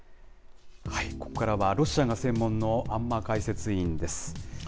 ここからはロシアが専門の安間解説委員です。